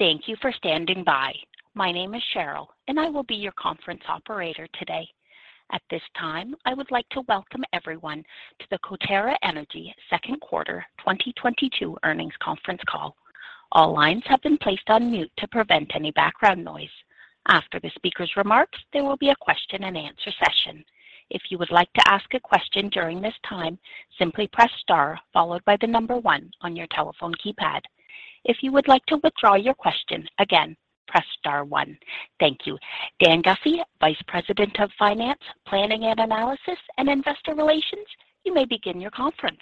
Thank you for standing by. My name is Cheryl, and I will be your conference operator today. At this time, I would like to welcome everyone to the Coterra Energy Q2 2022 Earnings Conference Call. All lines have been placed on mute to prevent any background noise. After the speaker's remarks, there will be a question-and-answer session. If you would like to ask a question during this time, simply press star followed by the number one on your telephone keypad. If you would like to withdraw your question, again, press star one. Thank you. Dan Guffey, Vice President of Finance, Planning and Analysis, and Investor Relations, you may begin your conference.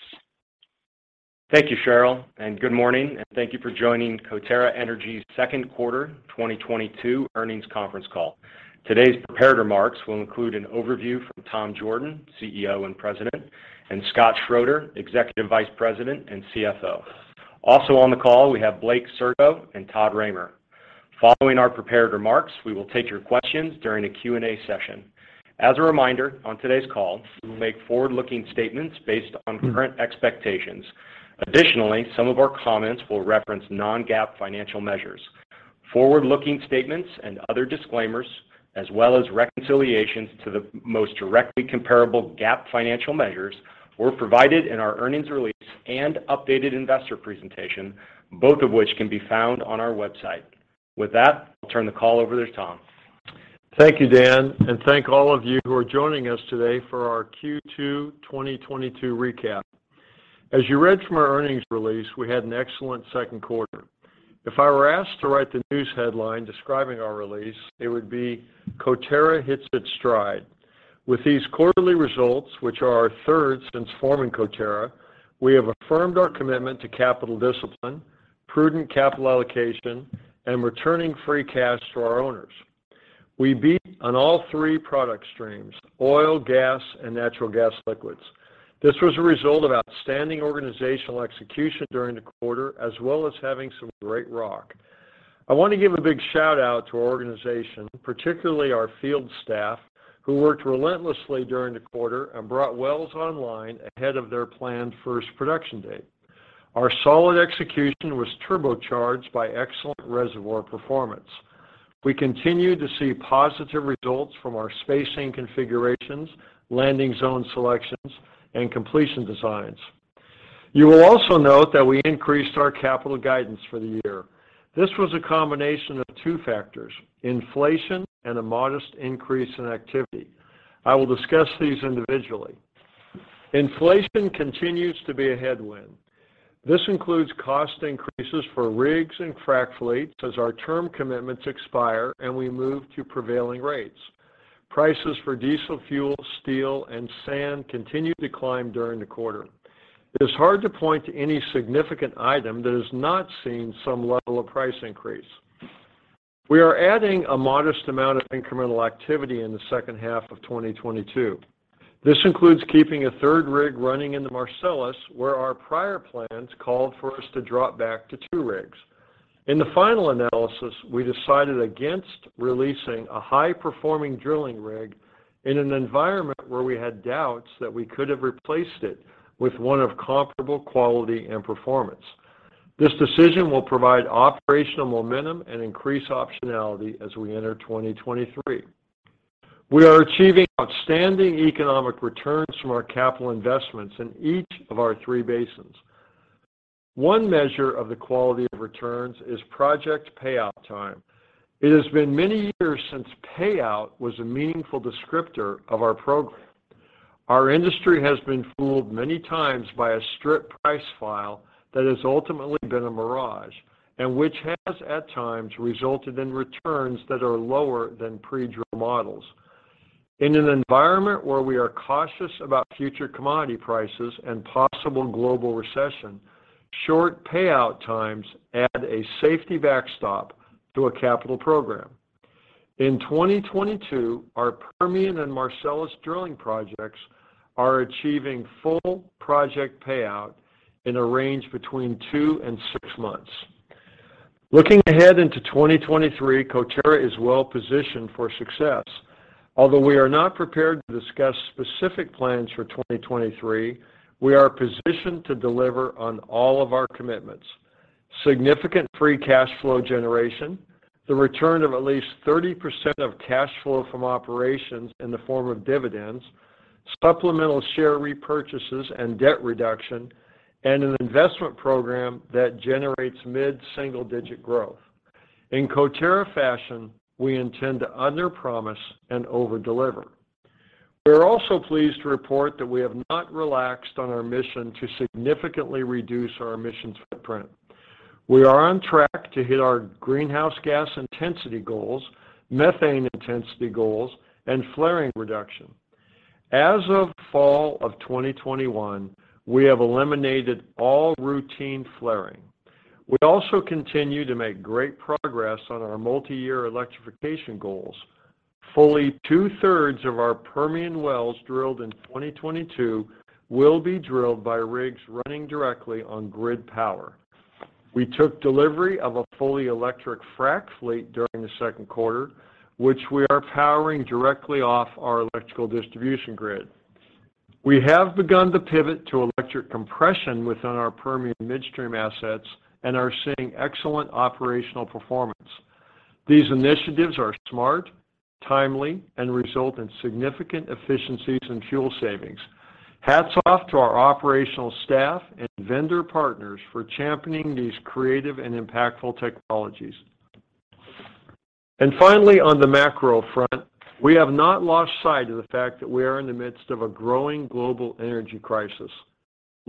Thank you, Cheryl, and good morning, and thank you for joining Coterra Energy's Q2 2022 Earnings Conference Call. Today's prepared remarks will include an overview from Tom Jorden, CEO and President, and Scott Schroeder, Executive Vice President and CFO. Also on the call, we have Blake Sirgo and Todd Raymer. Following our prepared remarks, we will take your questions during the Q&A session. As a reminder, on today's call, we will make forward-looking statements based on current expectations. Additionally, some of our comments will reference non-GAAP financial measures. Forward-looking statements and other disclaimers, as well as reconciliations to the most directly comparable GAAP financial measures, were provided in our earnings release and updated investor presentation, both of which can be found on our website. With that, I'll turn the call over to Tom. Thank you, Dan, and thank all of you who are joining us today for our Q2 2022 recap. As you read from our earnings release, we had an excellent Q2. If I were asked to write the news headline describing our release, it would be, "Coterra hits its stride." With these quarterly results, which are our third since forming Coterra, we have affirmed our commitment to capital discipline, prudent capital allocation, and returning free cash to our owners. We beat on all three product streams, oil, gas, and natural gas liquids. This was a result of outstanding organizational execution during the quarter, as well as having some great rock. I want to give a big shout-out to our organization, particularly our field staff, who worked relentlessly during the quarter and brought wells online ahead of their planned first production date. Our solid execution was turbocharged by excellent reservoir performance. We continue to see positive results from our spacing configurations, landing zone selections, and completion designs. You will also note that we increased our capital guidance for the year. This was a combination of two factors, inflation and a modest increase in activity. I will discuss these individually. Inflation continues to be a headwind. This includes cost increases for rigs and frac fleets as our term commitments expire, and we move to prevailing rates. Prices for diesel fuel, steel, and sand continued to climb during the quarter. It is hard to point to any significant item that has not seen some level of price increase. We are adding a modest amount of incremental activity in the H2 of 2022. This includes keeping a third rig running in the Marcellus, where our prior plans called for us to drop back to two rigs. In the final analysis, we decided against releasing a high-performing drilling rig in an environment where we had doubts that we could have replaced it with one of comparable quality and performance. This decision will provide operational momentum and increase optionality as we enter 2023. We are achieving outstanding economic returns from our capital investments in each of our three basins. One measure of the quality of returns is project payout time. It has been many years since payout was a meaningful descriptor of our program. Our industry has been fooled many times by a strip price file that has ultimately been a mirage, and which has at times resulted in returns that are lower than pre-drill models. In an environment where we are cautious about future commodity prices and possible global recession, short payout times add a safety backstop to a capital program. In 2022, our Permian and Marcellus drilling projects are achieving full project payout in a range between two and six months. Looking ahead into 2023, Coterra is well-positioned for success. Although we are not prepared to discuss specific plans for 2023, we are positioned to deliver on all of our commitments. Significant free cash flow generation, the return of at least 30% of cash flow from operations in the form of dividends, supplemental share repurchases and debt reduction, and an investment program that generates mid-single-digit growth. In Coterra fashion, we intend to under promise and overdeliver. We are also pleased to report that we have not relaxed on our mission to significantly reduce our emissions footprint. We are on track to hit our greenhouse gas intensity goals, methane intensity goals, and flaring reduction. As of fall of 2021, we have eliminated all routine flaring. We also continue to make great progress on our multi-year electrification goals. Fully two-thirds of our Permian wells drilled in 2022 will be drilled by rigs running directly on grid power. We took delivery of a fully electric frac fleet during the Q2, which we are powering directly off our electrical distribution grid. We have begun to pivot to electric compression within our Permian midstream assets and are seeing excellent operational performance. These initiatives are smart, timely, and result in significant efficiencies and fuel savings. Hats off to our operational staff and vendor partners for championing these creative and impactful technologies. Finally, on the macro front, we have not lost sight of the fact that we are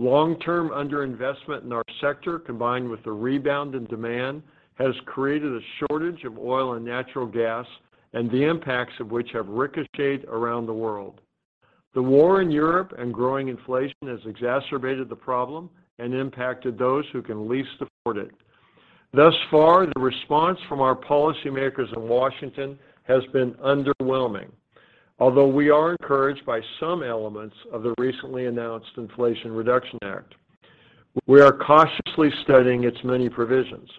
in the midst of a growing global energy crisis. Long-term under-investment in our sector, combined with the rebound in demand, has created a shortage of oil and natural gas, and the impacts of which have ricocheted around the world. The war in Europe and growing inflation has exacerbated the problem and impacted those who can least afford it. Thus far, the response from our policymakers in Washington has been underwhelming. Although we are encouraged by some elements of the recently announced Inflation Reduction Act, we are cautiously studying its many provisions.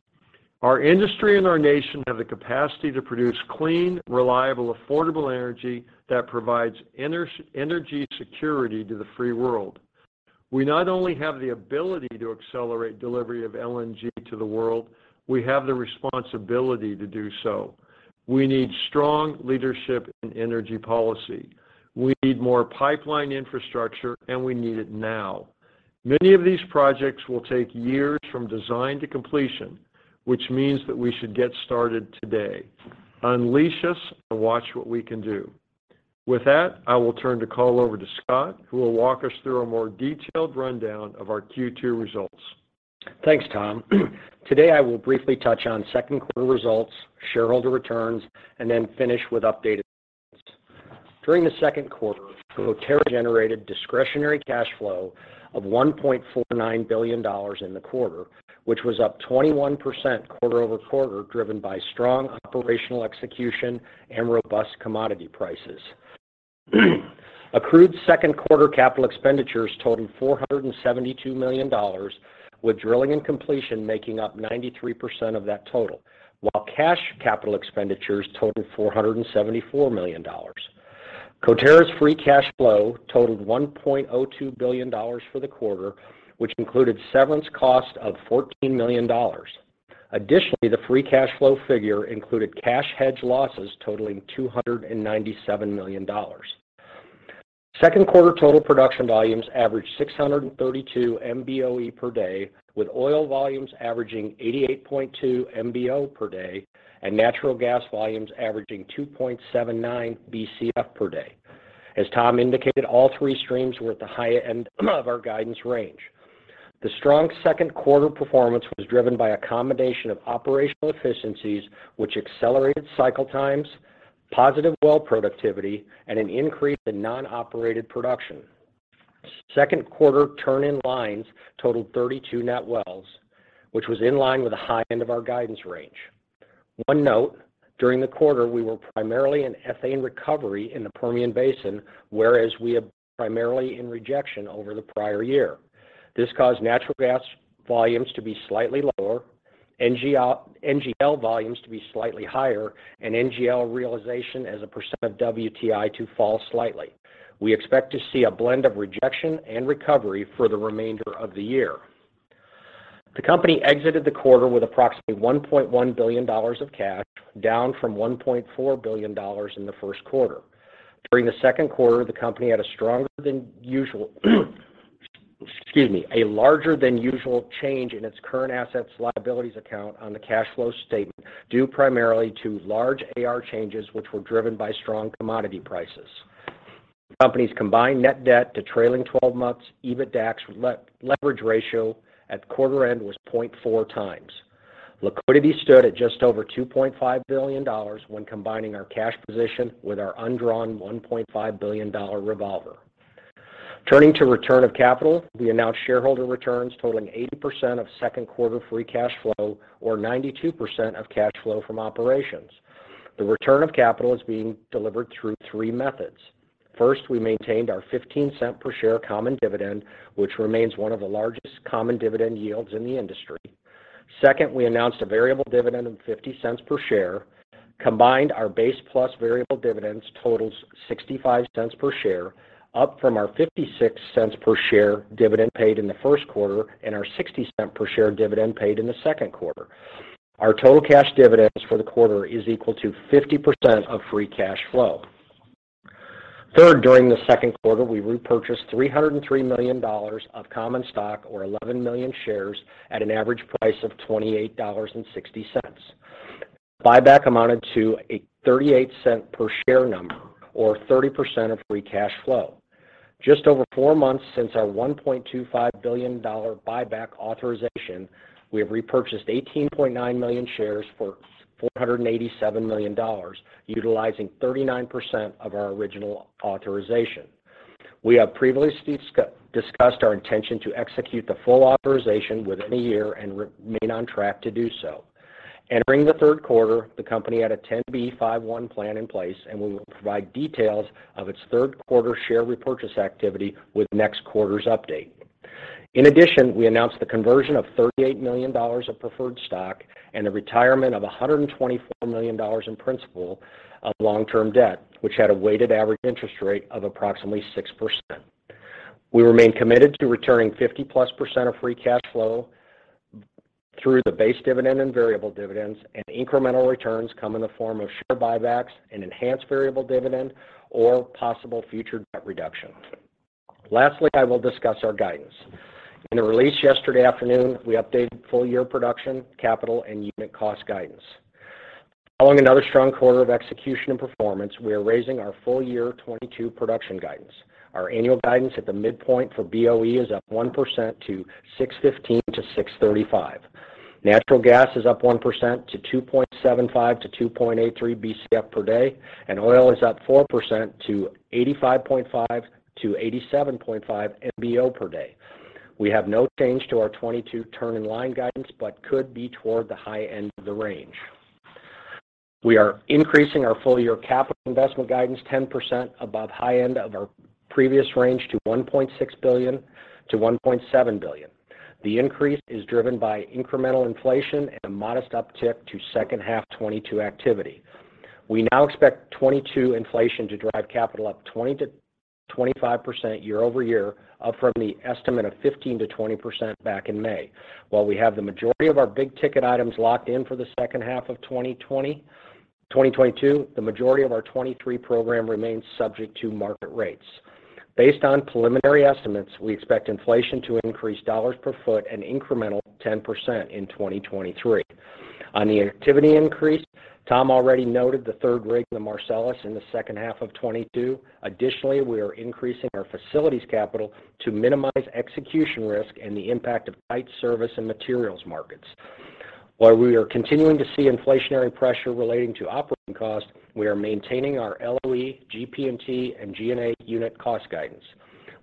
Our industry and our nation have the capacity to produce clean, reliable, affordable energy that provides energy security to the free world. We not only have the ability to accelerate delivery of LNG to the world, we have the responsibility to do so. We need strong leadership in energy policy. We need more pipeline infrastructure, and we need it now. Many of these projects will take years from design to completion, which means that we should get started today. Unleash us and watch what we can do. With that, I will turn the call over to Scott, who will walk us through a more detailed rundown of our Q2 results. Thanks, Tom. Today, I will briefly touch on Q2 results, shareholder returns, and then finish with updates. During the Q2, Coterra generated discretionary cash flow of $1.49 billion in the quarter, which was up 21% quarter-over-quarter, driven by strong operational execution and robust commodity prices. Accrued Q2 capital expenditures totaled $472 million, with drilling and completion making up 93% of that total, while cash capital expenditures totaled $474 million. Coterra's free cash flow totaled $1.02 billion for the quarter, which included severance costs of $14 million. Additionally, the free cash flow figure included cash hedge losses totaling $297 million. Q2 total production volumes averaged 632 MBOE per day, with oil volumes averaging 88.2 MBO per day and natural gas volumes averaging 2.79 BCF per day. As Tom indicated, all three streams were at the high end of our guidance range. The strong Q2 performance was driven by a combination of operational efficiencies, which accelerated cycle times, positive well productivity, and an increase in non-operated production. Q2 turn-in-lines totaled 32 net wells, which was in line with the high end of our guidance range. One note, during the quarter, we were primarily in ethane recovery in the Permian Basin, whereas we have been primarily in rejection over the prior year. This caused natural gas volumes to be slightly lower, NGL volumes to be slightly higher, and NGL realization as a % of WTI to fall slightly. We expect to see a blend of rejection and recovery for the remainder of the year. The company exited the quarter with approximately $1.1 billion of cash, down from $1.4 billion in the Q1. During the Q2, the company had a larger than usual change in its current assets liabilities account on the cash flow statement due primarily to large AR changes, which were driven by strong commodity prices. The company's combined net debt to trailing twelve months EBITDA leverage ratio at quarter end was 0.4 times. Liquidity stood at just over $2.5 billion when combining our cash position with our undrawn $1.5 billion revolver. Turning to return of capital, we announced shareholder returns totaling 80% of Q2 free cash flow or 92% of cash flow from operations. The return of capital is being delivered through three methods. First, we maintained our $0.15 per share common dividend, which remains one of the largest common dividend yields in the industry. Second, we announced a variable dividend of $0.50 per share. Combined, our base plus variable dividends totals $0.65 per share, up from our $0.56 per share dividend paid in the Q1 and our $0.60 per share dividend paid in the Q2. Our total cash dividends for the quarter is equal to 50% of free cash flow. Third, during the Q2, we repurchased $303 million of common stock or 11 million shares at an average price of $28.60. Buyback amounted to a $0.38 per share number or 30% of free cash flow. Just over four months since our $1.25 billion buyback authorization, we have repurchased 18.9 million shares for $487 million, utilizing 39% of our original authorization. We have previously discussed our intention to execute the full authorization within a year and remain on track to do so. Entering the Q3, the company had a 10b5-1 plan in place, and we will provide details of its Q3 share repurchase activity with next quarter's update. In addition, we announced the conversion of $38 million of preferred stock and the retirement of $124 million in principal of long-term debt, which had a weighted average interest rate of approximately 6%. We remain committed to returning 50%+ of free cash flow through the base dividend and variable dividends, and incremental returns come in the form of share buybacks and enhanced variable dividend or possible future debt reduction. Lastly, I will discuss our guidance. In a release yesterday afternoon, we updated full-year production, capital, and unit cost guidance. Following another strong quarter of execution and performance, we are raising our full-year 2022 production guidance. Our annual guidance at the midpoint for BOE is up 1% to 615-635. Natural gas is up 1% to 2.75-2.83 Bcf per day. Oil is up 4% to 85.5-87.5 MBO per day. We have no change to our 2022 turn-in-line guidance, but could be toward the high end of the range. We are increasing our full year capital investment guidance 10% above high end of our previous range to $1.6 billion-$1.7 billion. The increase is driven by incremental inflation and a modest uptick to H2 2022 activity. We now expect 2022 inflation to drive capital up 20%-25% year over year, up from the estimate of 15%-20% back in May. While we have the majority of our big ticket items locked in for the H2 of 2022, the majority of our 2023 program remains subject to market rates. Based on preliminary estimates, we expect inflation to increase dollars per foot an incremental 10% in 2023. On the activity increase, Tom already noted the third rig in the Marcellus in the H2 of 2022. Additionally, we are increasing our facilities capital to minimize execution risk and the impact of tight service and materials markets. While we are continuing to see inflationary pressure relating to operating costs, we are maintaining our LOE, GP&T, and G&A unit cost guidance.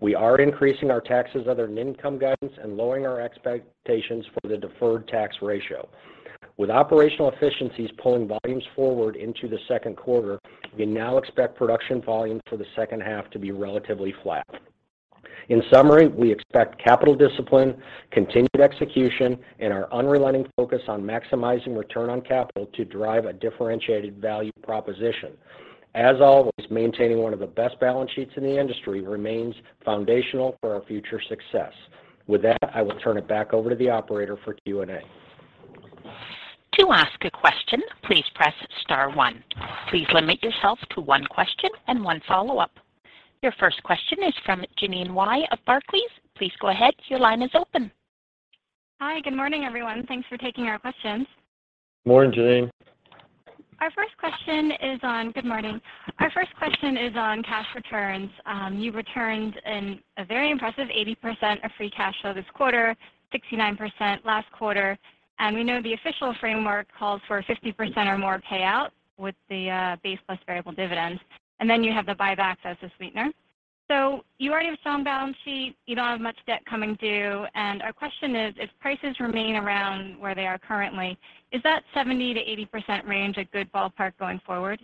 We are increasing our taxes, other than income guidance, and lowering our expectations for the deferred tax ratio. With operational efficiencies pulling volumes forward into the Q2, we now expect production volumes for the H2 to be relatively flat. In summary, we expect capital discipline, continued execution, and our unrelenting focus on maximizing return on capital to drive a differentiated value proposition. As always, maintaining one of the best balance sheets in the industry remains foundational for our future success. With that, I will turn it back over to the operator for Q&A. To ask a question, please press star one. Please limit yourself to one question and one follow-up. Your first question is from Jeanine Wai of Barclays. Please go ahead. Your line is open. Hi. Good morning, everyone. Thanks for taking our questions. Morning, Jeanine. Good morning. Our first question is on cash returns. You returned a very impressive 80% of free cash flow this quarter, 69% last quarter. We know the official framework calls for 50% or more payout with the base plus variable dividends, and then you have the buybacks as a sweetener. You already have a strong balance sheet, you don't have much debt coming due. Our question is, if prices remain around where they are currently, is that 70%-80% range a good ballpark going forward?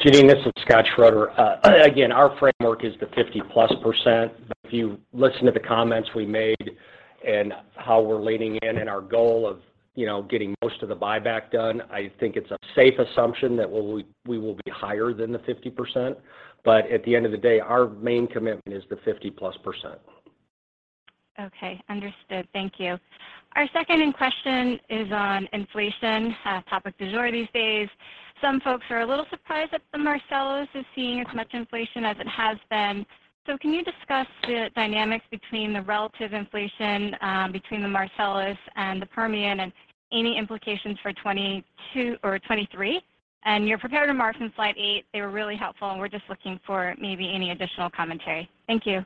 Jeanine, this is Scott Schroeder. Again, our framework is the 50%+. If you listen to the comments we made and how we're leaning in and our goal of, you know, getting most of the buyback done, I think it's a safe assumption that we will be higher than the 50%. At the end of the day, our main commitment is the 50%+. Okay. Understood. Thank you. Our second question is on inflation, topic du jour these days. Some folks are a little surprised that the Marcellus is seeing as much inflation as it has been. Can you discuss the dynamics between the relative inflation, between the Marcellus and the Permian and any implications for 2022 or 2023? Your prepared remarks in slide 8, they were really helpful, and we're just looking for maybe any additional commentary. Thank you.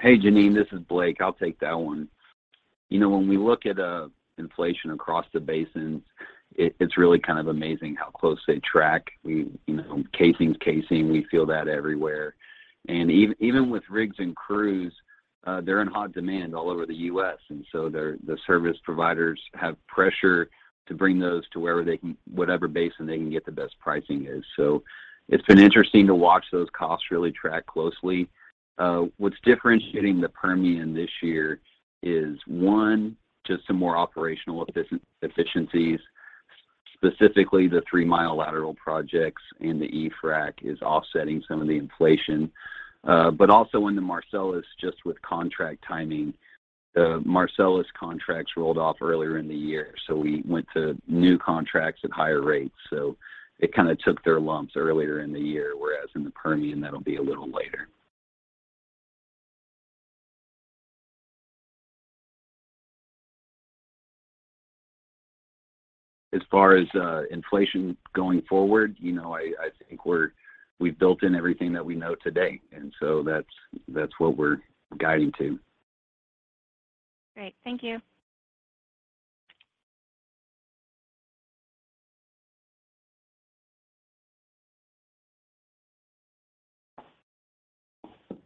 Hey, Jeanine, this is Blake. I'll take that one. You know, when we look at inflation across the basins, it's really kind of amazing how close they track. We, you know, casing's casing, we feel that everywhere. Even with rigs and crews, they're in hot demand all over the US, and so the service providers have pressure to bring those to whatever basin they can get the best pricing in. It's been interesting to watch those costs really track closely. What's differentiating the Permian this year is one, just some more operational efficiencies, specifically the three-mile lateral projects in the e-frac is offsetting some of the inflation. But also in the Marcellus, just with contract timing, the Marcellus contracts rolled off earlier in the year, so we went to new contracts at higher rates. It kinda took their lumps earlier in the year, whereas in the Permian, that'll be a little later. As far as inflation going forward, you know, I think we've built in everything that we know today, and so that's what we're guiding to. Great. Thank you.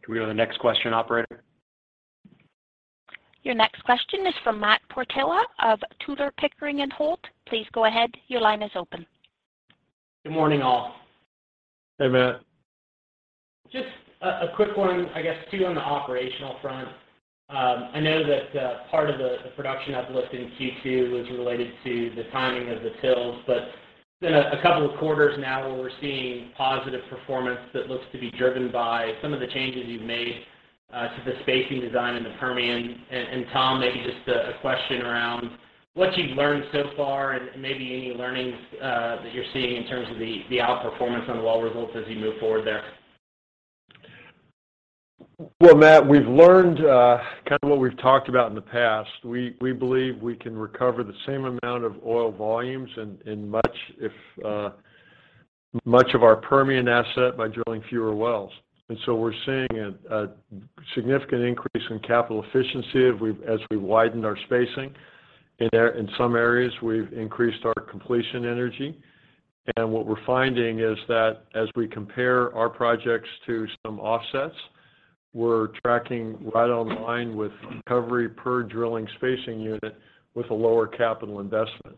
Can we go to the next question, operator? Your next question is from Matt Portillo of Tudor, Pickering, Holt & Co. Please go ahead. Your line is open. Good morning, all. Hey, Matt. Just a quick one, I guess two on the operational front. I know that part of the production uplift in Q2 was related to the timing of the wells, but it's been a couple of quarters now where we're seeing positive performance that looks to be driven by some of the changes you've made to the spacing design in the Permian. Tom, maybe just a question around what you've learned so far and maybe any learnings that you're seeing in terms of the outperformance on well results as you move forward there. Well, Matt, we've learned, kind of what we've talked about in the past. We believe we can recover the same amount of oil volumes in much of our Permian asset by drilling fewer wells. We're seeing a significant increase in capital efficiency. As we widened our spacing in some areas, we've increased our completion intensity. What we're finding is that as we compare our projects to some offsets, we're tracking right online with recovery per drilling spacing unit with a lower capital investment.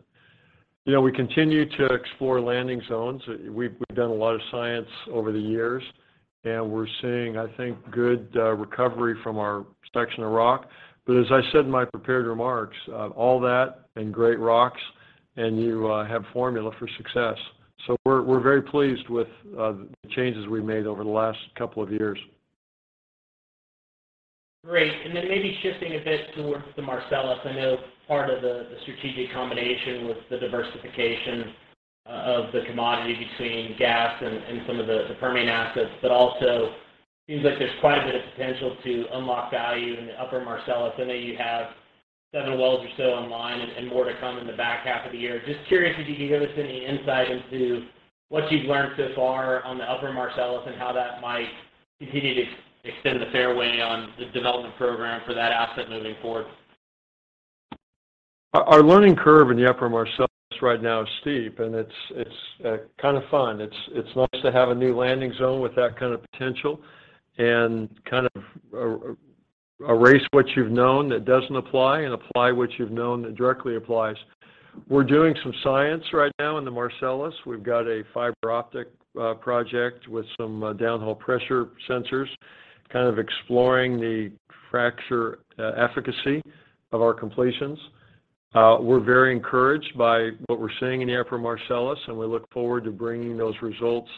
You know, we continue to explore landing zones. We've done a lot of science over the years, and we're seeing, I think, good recovery from our section of rock. As I said in my prepared remarks, all that and great rocks, and you have a formula for success. We're very pleased with the changes we've made over the last couple of years. Great. Maybe shifting a bit towards the Marcellus. I know part of the strategic combination was the diversification of the commodity between gas and some of the Permian assets, but also seems like there's quite a bit of potential to unlock value in the Upper Marcellus. I know you have seven wells or so online and more to come in the back half of the year. Just curious if you could give us any insight into what you've learned so far on the Upper Marcellus and how that might continue to extend the fairway on the development program for that asset moving forward. Our learning curve in the Upper Marcellus right now is steep, and it's kind of fun. It's nice to have a new landing zone with that kind of potential and kind of erase what you've known that doesn't apply and apply what you've known that directly applies. We're doing some science right now in the Marcellus. We've got a fiber optic project with some down-hole pressure sensors, kind of exploring the fracture efficacy of our completions. We're very encouraged by what we're seeing in the Upper Marcellus, and we look forward to bringing those results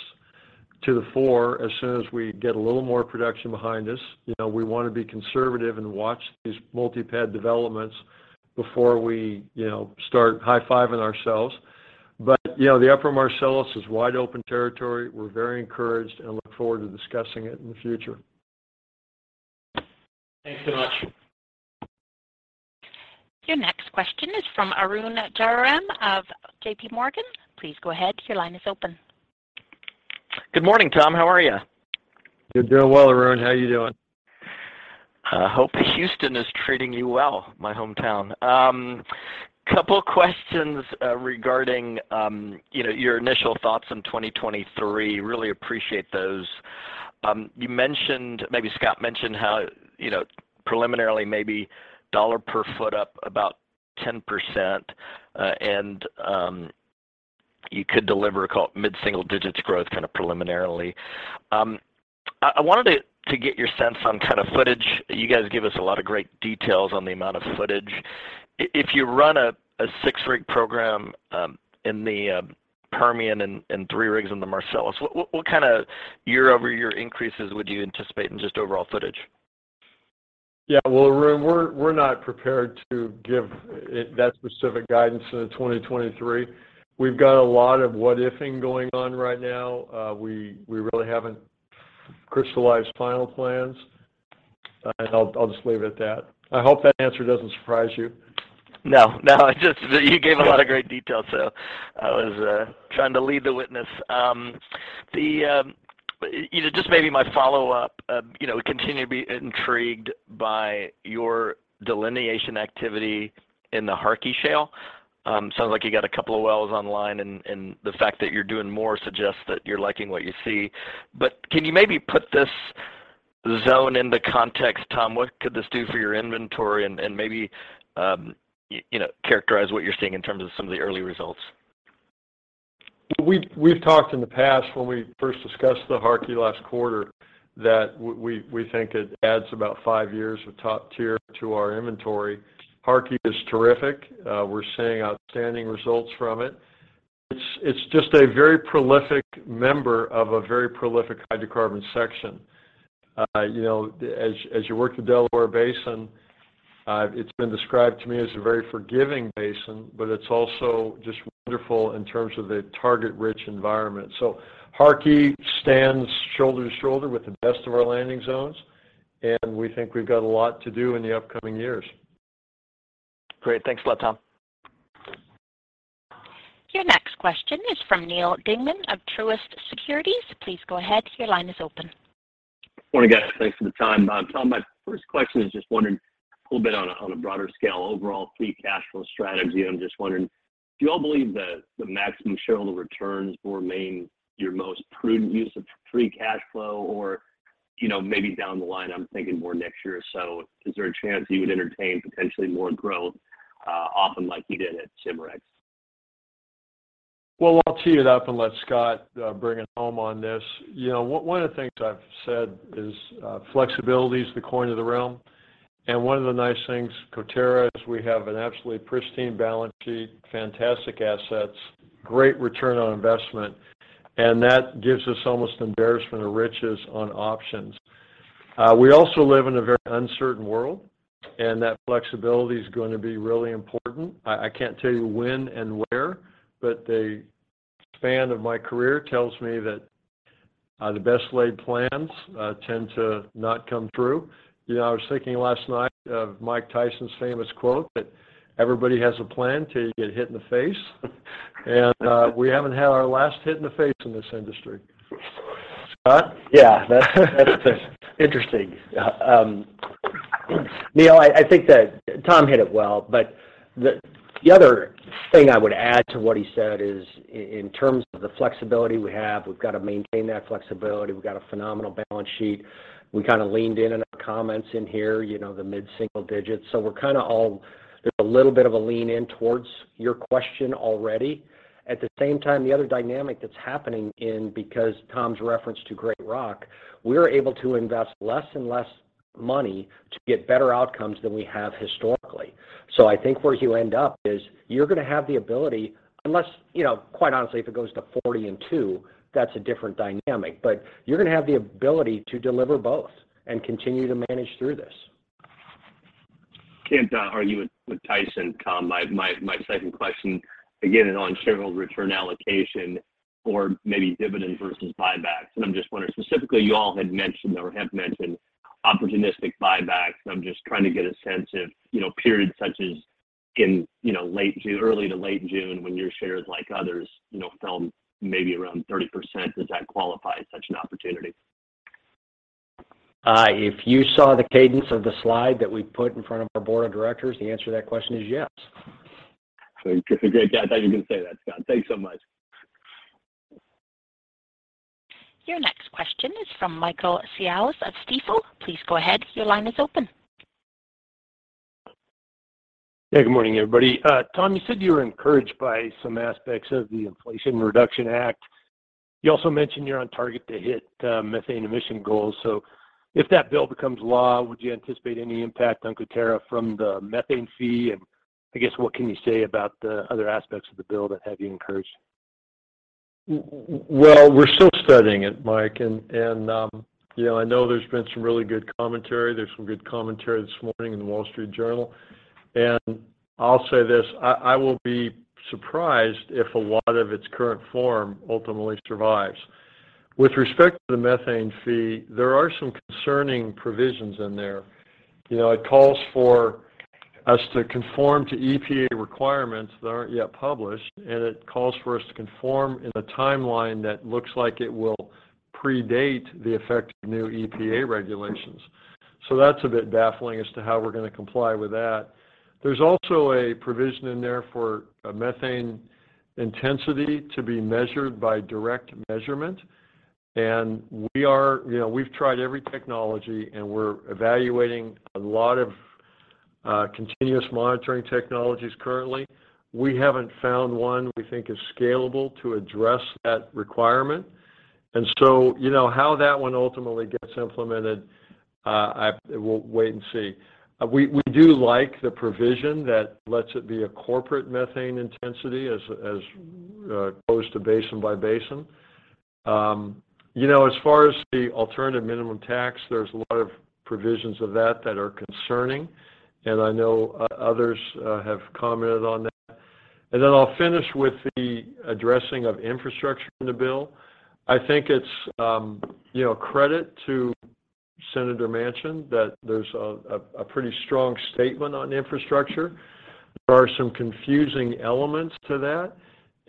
to the fore as soon as we get a little more production behind us. You know, we wanna be conservative and watch these multi-pad developments before we, you know, start high fiving ourselves. You know, the Upper Marcellus is wide open territory. We're very encouraged and look forward to discussing it in the future. Thanks so much. Your next question is from Arun Jayaram of JPMorgan. Please go ahead. Your line is open. Good morning, Tom. How are you? Doing well, Arun. How you doing? I hope Houston is treating you well, my hometown. Couple questions regarding, you know, your initial thoughts on 2023. Really appreciate those. You mentioned, maybe Scott mentioned how, you know, preliminarily maybe $ per foot up about 10%, and you could deliver mid-single digits growth kind of preliminarily. I wanted to get your sense on kind of footage. You guys give us a lot of great details on the amount of footage. If you run a six-rig program in the Permian and three rigs in the Marcellus, what kind of year-over-year increases would you anticipate in just overall footage? Yeah. Well, Arun, we're not prepared to give that specific guidance into 2023. We've got a lot of what-if-ing going on right now. We really haven't crystallized final plans. I'll just leave it at that. I hope that answer doesn't surprise you. No, no. It's just that you gave a lot of great detail, so I was trying to lead the witness. You know, just maybe my follow-up. You know, we continue to be intrigued by your delineation activity in the Harkey Shale. Sounds like you got a couple of wells online, and the fact that you're doing more suggests that you're liking what you see. Can you maybe put this zone into context, Tom? What could this do for your inventory? Maybe, you know, characterize what you're seeing in terms of some of the early results. We've talked in the past when we first discussed the Harkey last quarter that we think it adds about five years of top tier to our inventory. Harkey is terrific. We're seeing outstanding results from it. It's just a very prolific member of a very prolific hydrocarbon section. You know, as you work the Delaware Basin, it's been described to me as a very forgiving basin, but it's also just wonderful in terms of a target-rich environment. Harkey stands shoulder to shoulder with the best of our landing zones, and we think we've got a lot to do in the upcoming years. Great. Thanks a lot, Tom. Your next question is from Neal Dingmann of Truist Securities. Please go ahead. Your line is open. Morning, guys. Thanks for the time. Tom, my first question is just wondering a little bit on a broader scale overall free cash flow strategy. I'm just wondering. Do you all believe that the maximum shareholder returns will remain your most prudent use of free cash flow? Or, you know, maybe down the line, I'm thinking more next year or so, is there a chance you would entertain potentially more growth, often like you did at Cimarex? Well, I'll tee it up and let Scott bring it home on this. You know, one of the things I've said is, flexibility is the coin of the realm. One of the nice things, Coterra, is we have an absolutely pristine balance sheet, fantastic assets, great return on investment, and that gives us almost an embarrassment of riches on options. We also live in a very uncertain world, and that flexibility is gonna be really important. I can't tell you when and where, but the span of my career tells me that the best laid plans tend to not come through. You know, I was thinking last night of Mike Tyson's famous quote that everybody has a plan till you get hit in the face. We haven't had our last hit in the face in this industry. Scott? Yeah. That's interesting. Neal Dingmann, I think that Tom Jorden hit it well, but the other thing I would add to what he said is in terms of the flexibility we have, we've got to maintain that flexibility. We've got a phenomenal balance sheet. We kind of leaned in in our comments in here, you know, the mid-single digits. We're kind of all. There's a little bit of a lean in towards your question already. At the same time, the other dynamic that's happening because Tom Jorden's reference to Greater Rockies, we're able to invest less and less money to get better outcomes than we have historically. I think where you end up is you're gonna have the ability, unless, you know, quite honestly, if it goes to $42, that's a different dynamic. You're gonna have the ability to deliver both and continue to manage through this. Can't argue with Tyson, Tom. My second question, again, is on shareholder return allocation or maybe dividend versus buybacks. I'm just wondering, specifically, you all had mentioned or have mentioned opportunistic buybacks, and I'm just trying to get a sense of, you know, periods such as in, you know, late June, early to late June when your shares, like others, you know, fell maybe around 30%. Does that qualify as such an opportunity? If you saw the cadence of the slide that we put in front of our board of directors, the answer to that question is yes. Great. I thought you were gonna say that, Scott. Thanks so much. Your next question is from Michael Scialla of Stifel. Please go ahead. Your line is open. Yeah. Good morning, everybody. Tom, you said you were encouraged by some aspects of the Inflation Reduction Act. You also mentioned you're on target to hit methane emission goals. If that bill becomes law, would you anticipate any impact on Coterra from the methane fee? I guess, what can you say about the other aspects of the bill that have you encouraged? Well, we're still studying it, Mike, and you know, I know there's been some really good commentary. There's some good commentary this morning in The Wall Street Journal. I'll say this, I will be surprised if a lot of its current form ultimately survives. With respect to the methane fee, there are some concerning provisions in there. You know, it calls for us to conform to EPA requirements that aren't yet published, and it calls for us to conform in a timeline that looks like it will predate the effect of new EPA regulations. So that's a bit baffling as to how we're gonna comply with that. There's also a provision in there for a methane intensity to be measured by direct measurement. You know, we've tried every technology, and we're evaluating a lot of continuous monitoring technologies currently. We haven't found one we think is scalable to address that requirement. You know, how that one ultimately gets implemented, we'll wait and see. We do like the provision that lets it be a corporate methane intensity as opposed to basin by basin. You know, as far as the Alternative Minimum Tax, there's a lot of provisions of that that are concerning, and I know others have commented on that. I'll finish with the addressing of infrastructure in the bill. I think it's, you know, credit to Senator Manchin that there's a pretty strong statement on infrastructure. There are some confusing elements to that,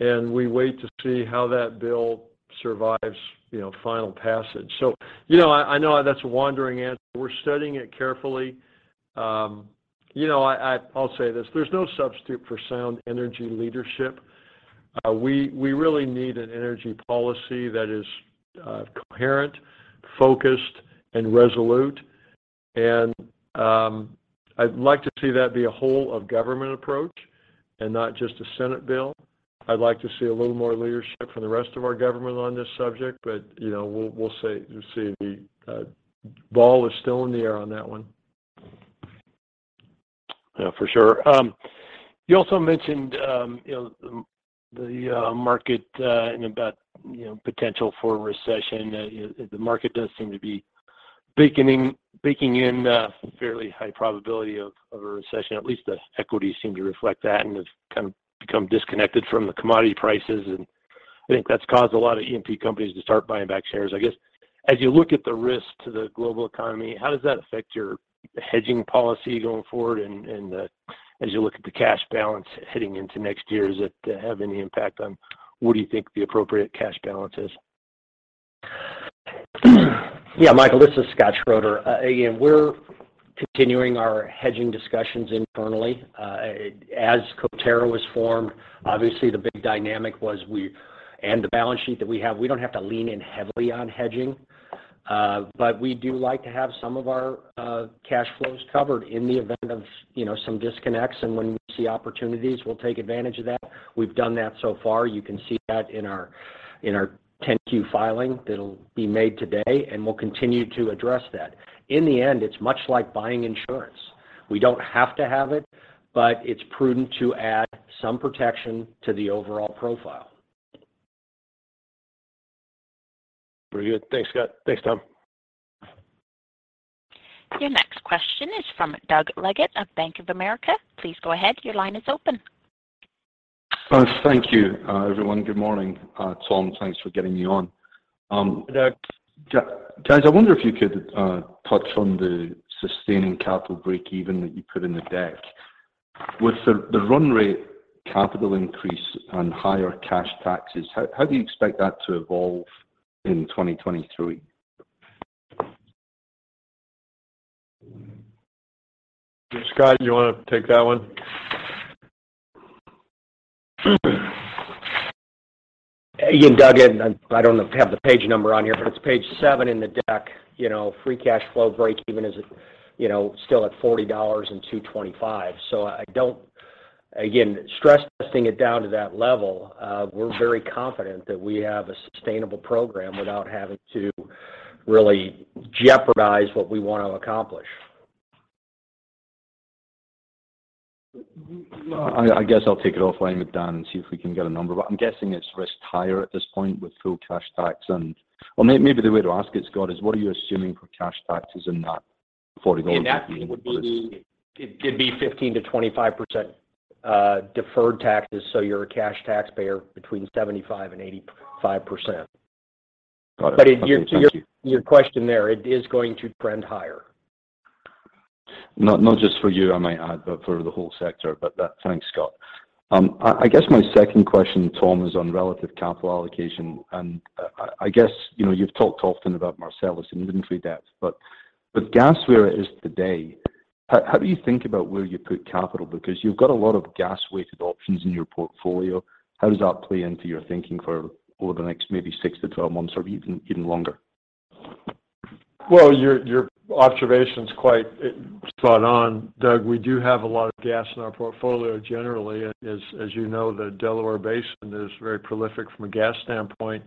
and we wait to see how that bill survives, you know, final passage. You know, I know that's a wandering answer. We're studying it carefully. You know, I'll say this, there's no substitute for sound energy leadership. We really need an energy policy that is coherent, focused, and resolute. I'd like to see that be a whole-of-government approach and not just a Senate bill. I'd like to see a little more leadership from the rest of our government on this subject, but, you know, we'll see. The ball is still in the air on that one. Yeah, for sure. You also mentioned, you know, the market and about, you know, potential for recession. The market does seem to be baking in a fairly high probability of a recession. At least the equities seem to reflect that and have kind of become disconnected from the commodity prices, and I think that's caused a lot of E&P companies to start buying back shares. I guess, as you look at the risk to the global economy, how does that affect your hedging policy going forward? As you look at the cash balance heading into next year, does it have any impact on what you think the appropriate cash balance is? Yeah, Michael, this is Scott Schroeder. Again, we're continuing our hedging discussions internally. As Coterra was formed, obviously the big dynamic was the balance sheet that we have. We don't have to lean in heavily on hedging. We do like to have some of our cash flows covered in the event of, you know, some disconnects. When we see opportunities, we'll take advantage of that. We've done that so far. You can see that in our 10-Q filing that'll be made today, and we'll continue to address that. In the end, it's much like buying insurance. We don't have to have it. It's prudent to add some protection to the overall profile. Very good. Thanks, Scott. Thanks, Tom. Your next question is from Doug Leggate of Bank of America. Please go ahead. Your line is open. Thank you, everyone. Good morning, Tom, thanks for getting me on. Guys, I wonder if you could touch on the sustaining capital breakeven that you put in the deck. With the run-rate capital increase and higher cash taxes, how do you expect that to evolve in 2023? Scott, you want to take that one? Again, Doug, and I don't have the page number on here, but it's page seven in the deck. You know, free cash flow breakeven is, you know, still at $40 in 2025. Again, stress testing it down to that level, we're very confident that we have a sustainable program without having to really jeopardize what we want to accomplish. I guess I'll take it offline with Don and see if we can get a number. I'm guessing it's risked higher at this point with full cash tax and well, maybe the way to ask it, Scott, is what are you assuming for cash taxes in that $40? It'd be 15%-25% deferred taxes. So you're a cash taxpayer between 75% and 85%. Got it. Okay. Thank you. To your question there, it is going to trend higher. Not just for you, I might add, but for the whole sector. Thanks, Scott. I guess my second question, Tom, is on relative capital allocation. I guess, you know, you've talked often about Marcellus and inventory depth, but with gas where it is today, how do you think about where you put capital? Because you've got a lot of gas-weighted options in your portfolio. How does that play into your thinking for over the next maybe 6-12 months or even longer? Well, your observation is quite spot on, Doug. We do have a lot of gas in our portfolio generally. As you know, the Delaware Basin is very prolific from a gas standpoint.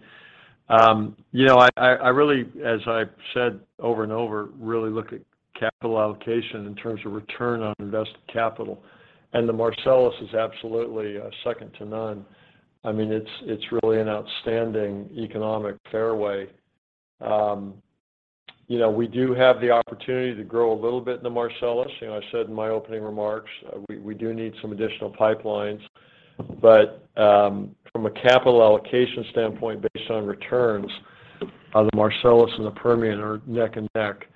You know, I really, as I've said over and over, really look at capital allocation in terms of return on invested capital. The Marcellus is absolutely second to none. I mean, it's really an outstanding economic fairway. You know, we do have the opportunity to grow a little bit in the Marcellus. You know, I said in my opening remarks, we do need some additional pipelines. From a capital allocation standpoint, based on returns, the Marcellus and the Permian are neck and neck.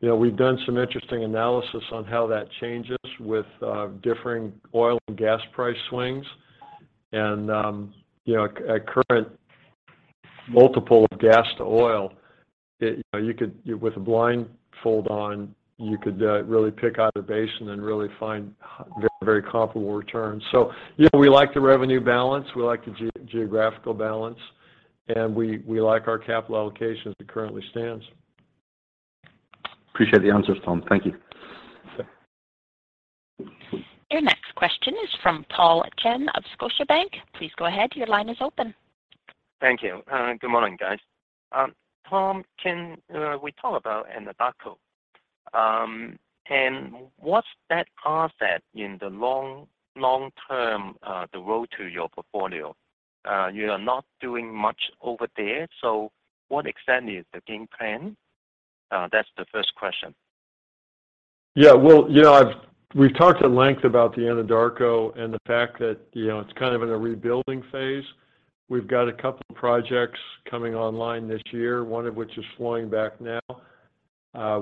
You know, we've done some interesting analysis on how that changes with differing oil and gas price swings. You know, at current multiple of gas to oil, it, you know, with a blindfold on, you could really pick out a basin and really find very comfortable returns. You know, we like the revenue balance, we like the geographical balance, and we like our capital allocation as it currently stands. Appreciate the answers, Tom. Thank you. Okay. Your next question is from Paul Cheng of Scotiabank. Please go ahead. Your line is open. Thank you. Good morning, guys. Tom, can we talk about Anadarko? What's that asset in the long, long term, the role in your portfolio? You are not doing much over there. What exactly is the game plan? That's the first question. Yeah, well, you know, we've talked at length about the Anadarko and the fact that, you know, it's kind of in a rebuilding phase. We've got a couple projects coming online this year, one of which is flowing back now.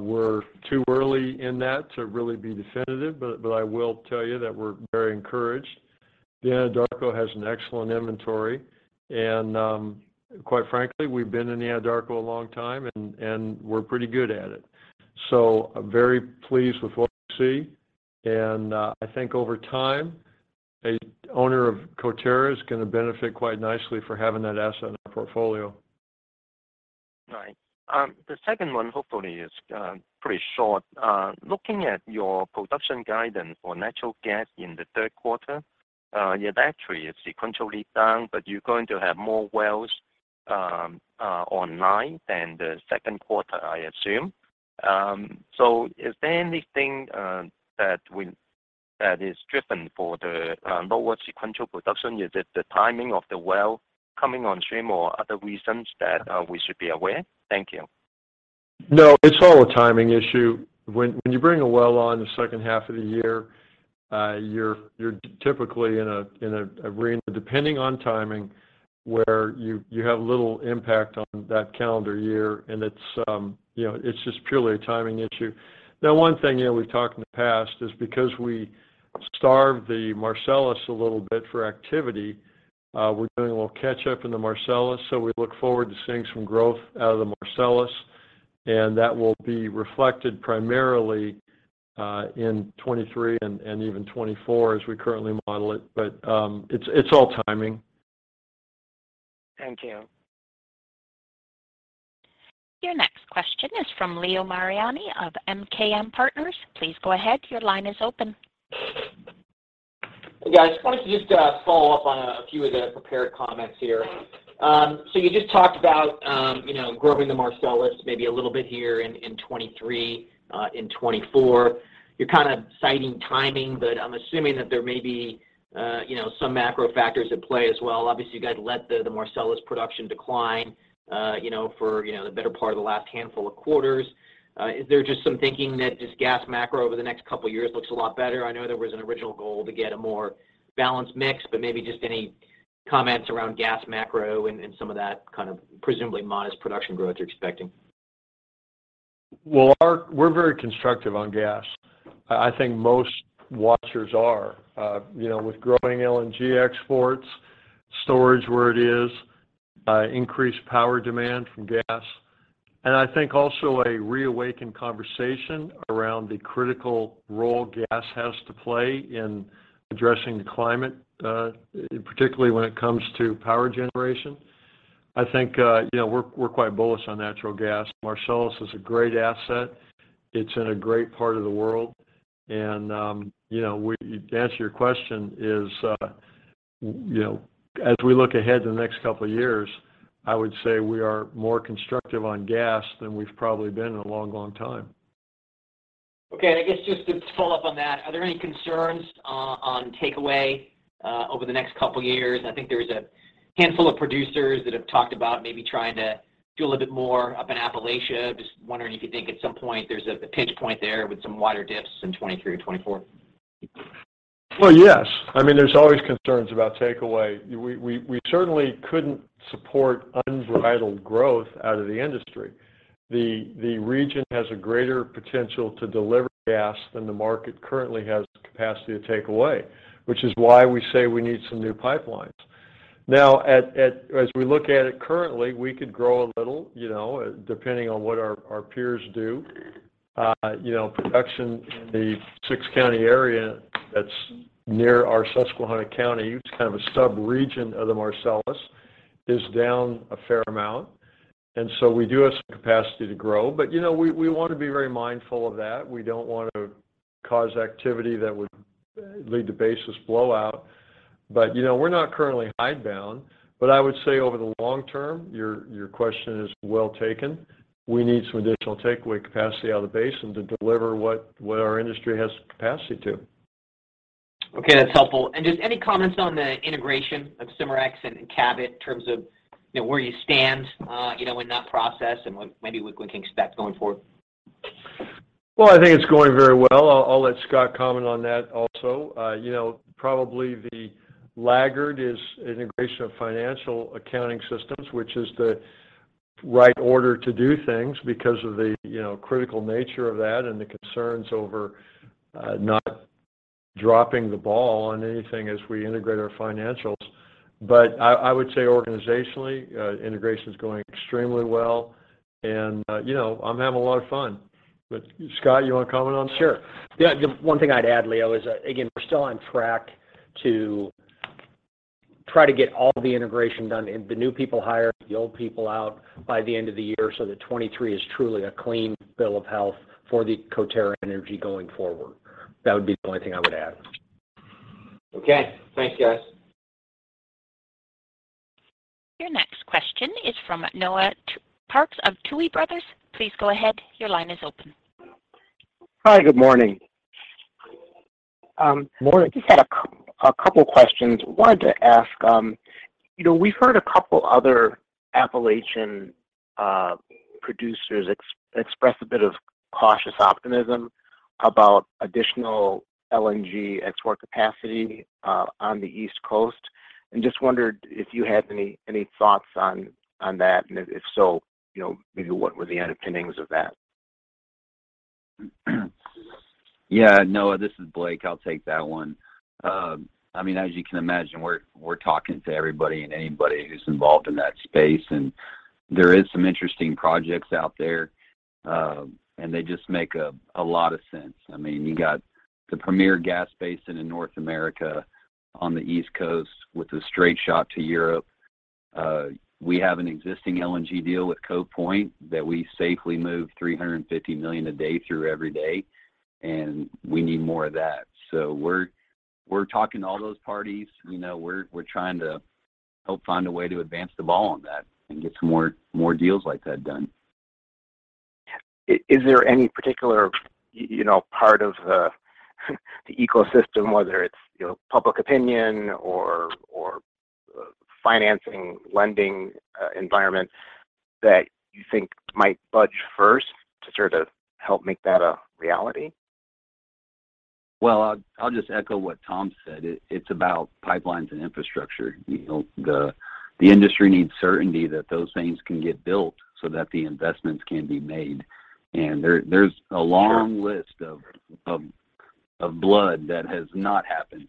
We're too early in that to really be definitive, but I will tell you that we're very encouraged. The Anadarko has an excellent inventory. Quite frankly, we've been in the Anadarko a long time and we're pretty good at it. So, I'm very pleased with what we see. I think over time, an owner of Coterra is going to benefit quite nicely from having that asset in our portfolio. Right. The second one hopefully is pretty short. Looking at your production guidance for natural gas in the Q3, yeah, that three is sequentially down, but you're going to have more wells online than the Q2, I assume. Is there anything that is driving the lower sequential production? Is it the timing of the well coming on stream or other reasons that we should be aware? Thank you. No, it's all a timing issue. When you bring a well on in the H2 of the year, you're typically in a range depending on timing, where you have little impact on that calendar year. It's, you know, it's just purely a timing issue. Now, one thing, you know, we've talked in the past is because we starved the Marcellus a little bit for activity. We're doing a little catch up in the Marcellus, so we look forward to seeing some growth out of the Marcellus, and that will be reflected primarily in 2023 and even 2024 as we currently model it. It's all timing. Thank you. Your next question is from Leo Mariani of MKM Partners. Please go ahead. Your line is open. Hey, guys. Wanted to just follow up on a few of the prepared comments here. So you just talked about, you know, growing the Marcellus maybe a little bit here in 2023, in 2024. You're kind of citing timing, but I'm assuming that there may be, you know, some macro factors at play as well. Obviously, you guys let the Marcellus production decline, you know, for, you know, the better part of the last handful of quarters. Is there just some thinking that just gas macro over the next couple years looks a lot better? I know there was an original goal to get a more balanced mix, but maybe just any comments around gas macro and some of that kind of presumably modest production growth you're expecting. We're very constructive on gas. I think most watchers are, you know, with growing LNG exports, storage where it is, increased power demand from gas, and I think also a reawakened conversation around the critical role gas has to play in addressing the climate, particularly when it comes to power generation. I think, you know, we're quite bullish on natural gas. Marcellus is a great asset. It's in a great part of the world. To answer your question is, you know, as we look ahead to the next couple of years, I would say we are more constructive on gas than we've probably been in a long, long time. Okay. I guess just to follow up on that, are there any concerns on takeaway over the next couple years? I think there's a handful of producers that have talked about maybe trying to do a little bit more up in Appalachia. Just wondering if you think at some point there's a pinch point there with some wider dips in 2023 or 2024. Well, yes. I mean, there's always concerns about takeaway. We certainly couldn't support unbridled growth out of the industry. The region has a greater potential to deliver gas than the market currently has capacity to take away, which is why we say we need some new pipelines. Now, as we look at it currently, we could grow a little, you know, depending on what our peers do. You know, production in the six county area that's near our Susquehanna County, it's kind of a sub-region of the Marcellus, is down a fair amount. We do have some capacity to grow. But, you know, we want to be very mindful of that. We don't want to cause activity that would lead to basis blowout. But, you know, we're not currently hidebound. I would say over the long term, your question is well taken. We need some additional takeaway capacity out of the basin to deliver what our industry has the capacity to. Okay. That's helpful. Just any comments on the integration of Cimarex and Cabot in terms of, you know, where you stand, you know, in that process and maybe we can expect going forward? Well, I think it's going very well. I'll let Scott comment on that also. You know, probably the laggard is integration of financial accounting systems, which is the right order to do things because of the, you know, critical nature of that and the concerns over, not dropping the ball on anything as we integrate our financials. I would say organizationally, integration is going extremely well. You know, I'm having a lot of fun. Scott, you want to comment on that. Sure. Yeah. The one thing I'd add, Leo, is, again, we're still on track to try to get all the integration done and the new people hired, the old people out by the end of the year so that 2023 is truly a clean bill of health for the Coterra Energy going forward. That would be the only thing I would add. Okay. Thanks, guys. Your next question is from Noel Parks of Tuohy Brothers. Please go ahead. Your line is open. Hi. Good morning. Morning. Just had a couple questions. Wanted to ask, you know, we've heard a couple other Appalachian producers express a bit of cautious optimism about additional LNG export capacity on the East Coast. Just wondered if you had any thoughts on that. If so, you know, maybe what were the underpinnings of that? Yeah. Noel, this is Blake. I'll take that one. I mean, as you can imagine, we're talking to everybody and anybody who's involved in that space, and there is some interesting projects out there, and they just make a lot of sense. I mean, you got the premier gas basin in North America on the East Coast with a straight shot to Europe. We have an existing LNG deal at Cove Point that we safely move 350 million a day through every day, and we need more of that. We're talking to all those parties. You know, we're trying to help find a way to advance the ball on that and get some more deals like that done. Is there any particular, you know, part of the ecosystem, whether it's, you know, public opinion or financing, lending environment that you think might budge first to sort of help make that a reality? Well, I'll just echo what Tom said. It's about pipelines and infrastructure. You know, the industry needs certainty that those things can get built so that the investments can be made. There's a long list of builds that have not happened.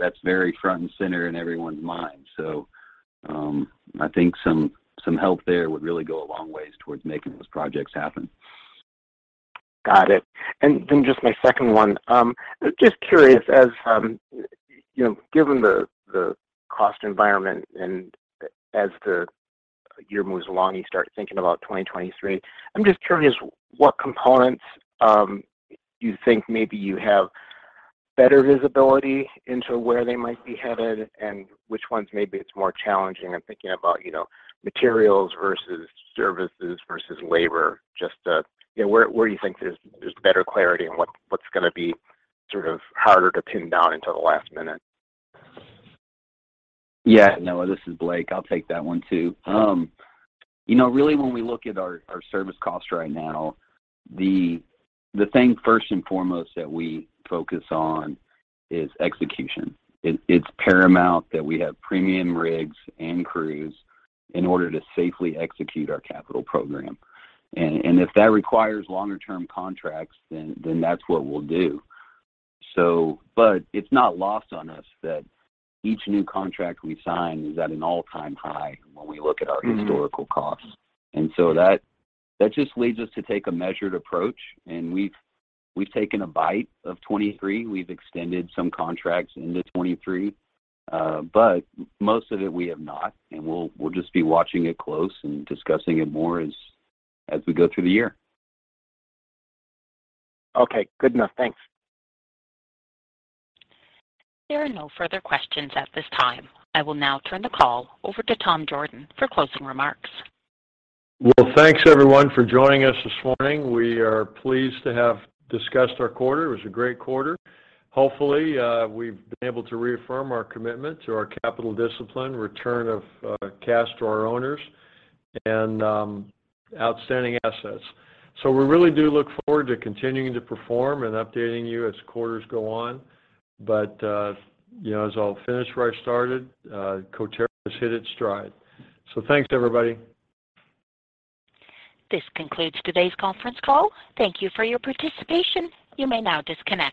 That's very front and center in everyone's mind. I think some help there would really go a long ways towards making those projects happen. Got it. Just my second one. Just curious, as you know, given the cost environment and as the year moves along, you start thinking about 2023. I'm just curious what components you think maybe you have better visibility into where they might be headed and which ones maybe it's more challenging. I'm thinking about, you know, materials versus services versus labor. Just to, you know, where do you think there's better clarity and what's gonna be sort of harder to pin down until the last minute? Yeah. Noah, this is Blake. I'll take that one too. You know, really when we look at our service costs right now, the thing first and foremost that we focus on is execution. It's paramount that we have premium rigs and crews in order to safely execute our capital program. If that requires longer term contracts, then that's what we'll do. It's not lost on us that each new contract we sign is at an all-time high when we look at our historical costs. That just leads us to take a measured approach. We've taken a bite of 2023. We've extended some contracts into 2023, but most of it we have not. We'll just be watching it closely and discussing it more as we go through the year. Okay, good enough. Thanks. There are no further questions at this time. I will now turn the call over to Tom Jorden for closing remarks. Well, thanks everyone for joining us this morning. We are pleased to have discussed our quarter. It was a great quarter. Hopefully, we've been able to reaffirm our commitment to our capital discipline, return of cash to our owners and outstanding assets. We really do look forward to continuing to perform and updating you as quarters go on. You know, as I'll finish where I started, Coterra's hit its stride. Thanks everybody. This concludes today's conference call. Thank you for your participation. You may now disconnect.